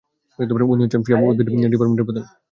উনি হচ্ছেন ফ্রেয়া, উদ্ভিদ ডিপার্টমেন্টের প্রধান।